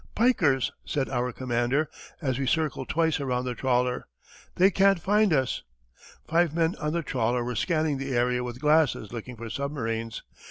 "Pikers!" said our commander, as we circled twice around the trawler; "they can't find us." Five men on the trawler were scanning the sea with glasses looking for submarines.